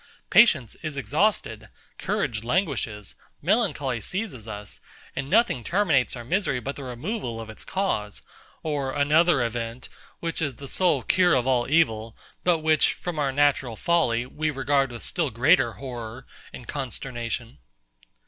Patience is exhausted, courage languishes, melancholy seizes us, and nothing terminates our misery but the removal of its cause, or another event, which is the sole cure of all evil, but which, from our natural folly, we regard with still greater horror and consternation.